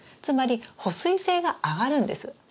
つまり保水性が上がるんです。